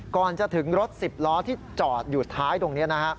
ก่อนจะถึงรถ๑๐ล้อที่จอดอยู่ท้ายตรงนี้นะฮะ